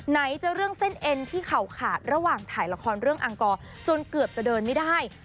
ไหนจะเรื่องเส้นเอ็นที่เข่าขาดระหว่างถ่ายละครเรื่องอังกรจนเกือบจะเดินไม่ได้